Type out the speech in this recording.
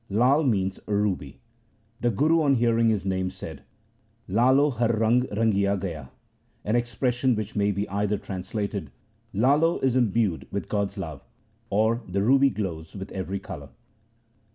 Lai means a ruby. The Guru on hearing his name said, ' Lalo Har rang rangia gay a,' an expression which may be either translated — Lalo is imbued with God's love, or — the ruby glows with every colour.